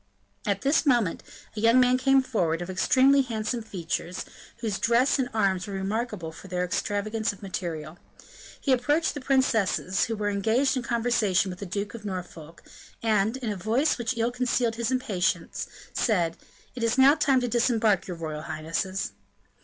At this moment, a young man came forward, of extremely handsome features, and whose dress and arms were remarkable for their extravagance of material. He approached the princesses, who were engaged in conversation with the Duke of Norfolk, and, in a voice which ill concealed his impatience, said, "It is now time to disembark, your royal highness."